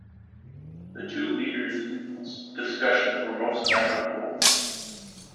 The two leaders' discussions were most amicable.